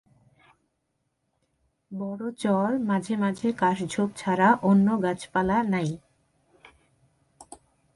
বড় চর, মাঝে মাঝে কাশঝোপ ছাড়া অন্য গাছপালা নাই।